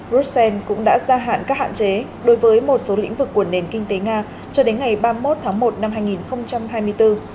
brussels cũng đã gia hạn các hạn chế đối với một số lĩnh vực của nền kinh tế nga cho đến ngày ba mươi một tháng một năm hai nghìn hai mươi bốn